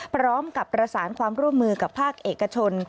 พร้อมกับประสานความร่วมมือกับภาคเอกชน